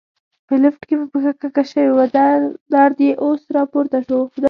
په لفټ کې مې پښه کږه شوې وه، درد یې اوس را پورته شو.